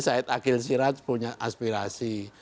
syed akhil siraj punya aspirasi